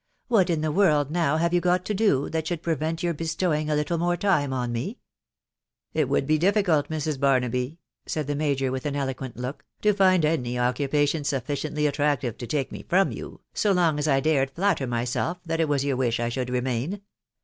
" What in the world now have you got to do, that should prevent your be stowing a little more time on me ?"" It would be difficult, Mrs. Barnaby," said the major with an eloquent look, " to find any occupation sufficiently attractive to take me from you, so long as I dared flatter my self that it was your wish I should remain."